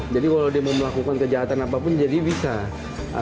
jadi kalau dia mau melakukan kejahatan apapun jadi bisa